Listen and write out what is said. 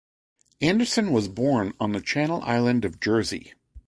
Anderson was born on the Channel island of Jersey.